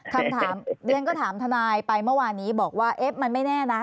คำถามเรียนก็ถามทนายไปเมื่อวานนี้บอกว่าเอ๊ะมันไม่แน่นะ